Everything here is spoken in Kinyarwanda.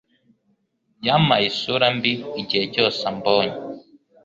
Yampaye isura mbi igihe cyose ambonye.